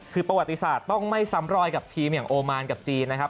คือประวัติศาสตร์ต้องไม่ซ้ำรอยกับทีมอย่างโอมานกับจีนนะครับ